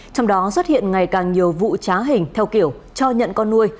trong đó xuất hiện ngày càng nhiều vụ trá hình theo kiểu cho nhận con nuôi